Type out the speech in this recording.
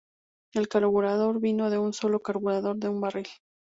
El carburador vino de un solo carburador de un barril.